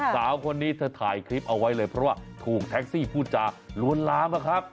สาวคนนี้เธอถ่ายคลิปเอาไว้เลยเพราะว่าถูกแท็กซี่พูดจาล้วนลามนะครับ